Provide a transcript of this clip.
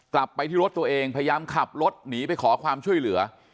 กลับไปที่รถตัวเองพยายามขับรถหนีไปขอความช่วยเหลือ